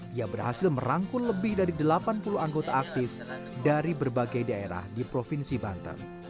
dia berhasil merangkul lebih dari delapan puluh anggota aktif dari berbagai daerah di provinsi banten